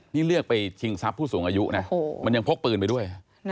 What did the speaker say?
นี่เลือกไปชิงทรัพย์ผู้สูงอายุนะมันยังพกปืนไปด้วย